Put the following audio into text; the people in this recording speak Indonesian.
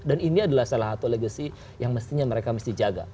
dan ini adalah salah satu legacy yang mestinya mereka mesti jaga